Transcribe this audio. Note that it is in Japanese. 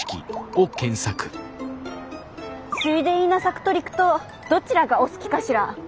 水田稲作と陸稲どちらがお好きかしら？